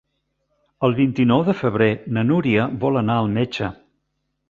El vint-i-nou de febrer na Núria vol anar al metge.